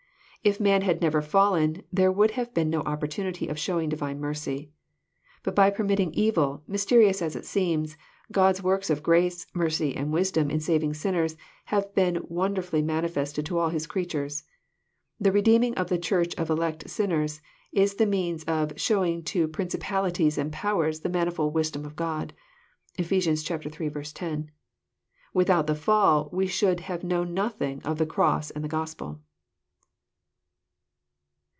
If man had never fallen, there would have been no opportunity of showing Divine mercy. But by permitting evil, mysterious as it seems, God's works of grace, mercy, and wisdom in saving sinners, have been wonderfully manifested to all His creatures. The redeeming of the Church of elect sin ners is the means of *' showins: to principalities and powers the manifold wisdom of God." (Ephes. ill. 10.) Without the fall we should have known nothing of the cross and the Gospel.